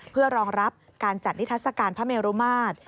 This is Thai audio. เพื่อรองรับการจัดนิทัศกาลพระเมรุมาตร